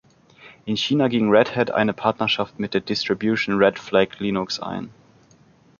In China ging Red Hat eine Partnerschaft mit der Distribution Red Flag Linux ein.